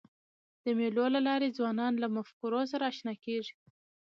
د مېلو له لاري ځوانان له مفکورو سره اشنا کېږي.